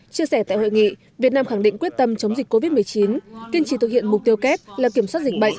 chia sẻ tại hội nghị việt nam khẳng định quyết tâm chống dịch covid một mươi chín kiên trì thực hiện mục tiêu kép là kiểm soát dịch bệnh